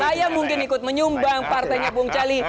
saya mungkin ikut menyumbang partainya bung cali